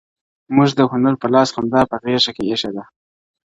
موږه د هنر په لاس خندا په غېږ كي ايښې ده.